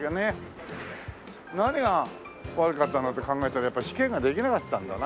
何が悪かったんだって考えたらやっぱ試験ができなかったんだな。